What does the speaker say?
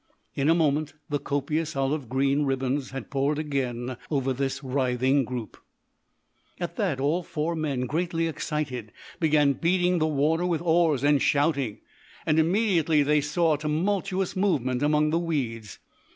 In a moment the copious olive green ribbons had poured again over this writhing group. At that all four men, greatly excited, began beating the water with oars and shouting, and immediately they saw a tumultuous movement among the weeds.